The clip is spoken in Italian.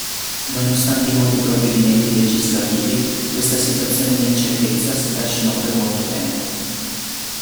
Nonostante i molti provvedimenti legislativi, questa situazione di incertezza si trascinò per molto tempo.